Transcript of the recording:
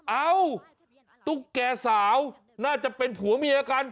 เอ้าตุ๊กแก่สาวน่าจะเป็นผัวเมียกัน